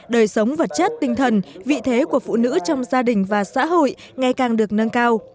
đời sống vật chất tinh thần vị thế của phụ nữ trong gia đình và xã hội ngày càng được nâng cao